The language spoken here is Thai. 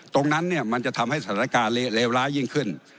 ตรงนั้นเนี่ยมันจะทำให้สถานการณ์เลวร้ายยิ่งขึ้น